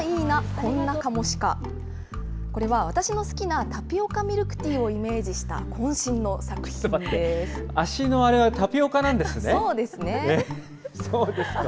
これは私の好きなタピオカミルクティーをイメージしたこん身の作足のあれはタピオカなんですそうですね。